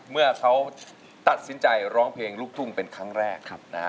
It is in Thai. เมื่อเขาตัดสินใจร้องเพลงลูกทุ่งเป็นครั้งแรก